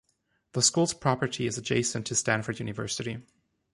The school's property is adjacent to Stanford University.